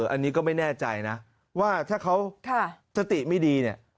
อันนี้ก็ไม่แน่ใจนะว่าถ้าเขาสติไม่ดีเนี่ย